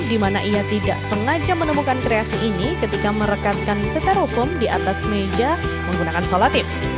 dimana ia tidak sengaja menemukan kreasi ini ketika merekatkan seteroform di atas meja menggunakan selotip